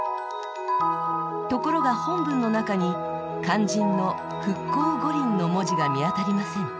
ところが、本文の中に肝心の「復興五輪」の文字が見当たりません。